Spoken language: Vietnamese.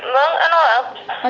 vâng anh hỏi ạ